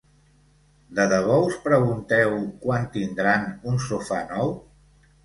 De debò us pregunteu quan tindran un sofà nou.